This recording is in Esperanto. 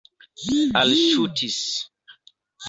alŝutis